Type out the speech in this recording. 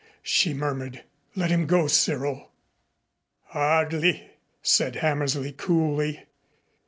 she murmured. "Let him go, Cyril." "Hardly," said Hammersley coolly.